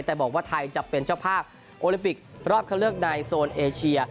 แต่บอกว่าไทยจะเป็นเจ้าภาพโอลิมปิกรอบเข้าเลือกในโซนเอเชีย